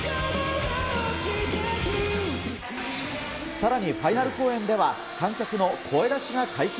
さらに、ファイナル公演では、観客の声出しが解禁。